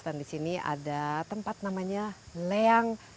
dan di sini ada tempat namanya leang